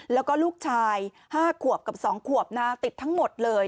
แล้วก็ลูกชาย๕ขวบกับ๒ขวบติดทั้งหมดเลย